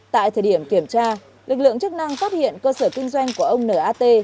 tại thời điểm kiểm tra lực lượng chức năng phát hiện cơ sở kinh doanh của ông n a t